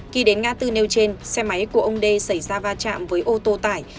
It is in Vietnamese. khi đến ngã tư nêu trên xe máy của ông đê xảy ra va chạm với ô tô tải